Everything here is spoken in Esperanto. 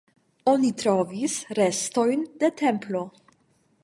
Oni trovis restojn de templo.